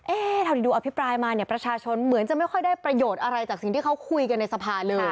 เท่าที่ดูอภิปรายมาเนี่ยประชาชนเหมือนจะไม่ค่อยได้ประโยชน์อะไรจากสิ่งที่เขาคุยกันในสภาเลย